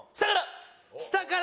下から！